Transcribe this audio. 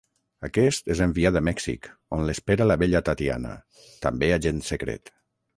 Aquest és enviat a Mèxic, on l'espera la bella Tatiana, també agent secret.